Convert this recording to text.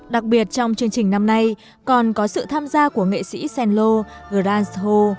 đặc biệt trong chương trình năm nay còn có sự tham gia của nghệ sĩ senlo grand sihô